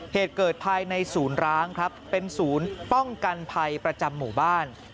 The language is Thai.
เหตุเกิดภายในศูนย์ร้างครับเป็นศูนย์ป้องกันภัยประจำหมู่บ้าน